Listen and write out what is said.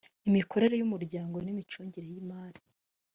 imikorere y umuryango n imicungire y imari